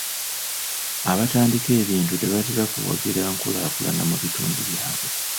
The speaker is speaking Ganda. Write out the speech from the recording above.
Abatandika ebintu tebatera kuwagira nkulaakulana mu bitundu byabwe.